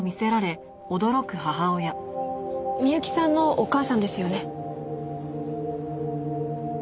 美幸さんのお母さんですよね？